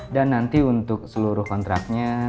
dan nanti untuk seluruh kontraknya